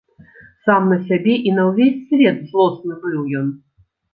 Сам на сябе і на ўвесь свет злосны быў ён.